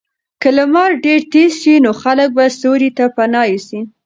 که لمر ډېر تېز شي نو خلک به سیوري ته پناه یوسي.